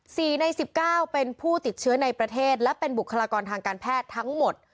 สี่ในสิบเก้าเป็นผู้ติดเชื้อในประเทศและเป็นบุคลากรทางการแพทย์ทั้งหมด